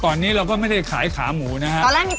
ตอนนี้เราก็ไม่ได้ขายขาหมูนะครับ